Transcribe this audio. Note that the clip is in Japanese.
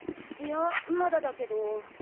いやまだだけど。